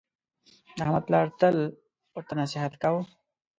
د احمد پلار تل ورته نصحت کاوه: